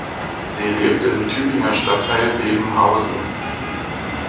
Sie lebt im Tübinger Stadtteil Bebenhausen.